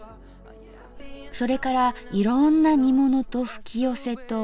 それからいろんな煮物と吹きよせと。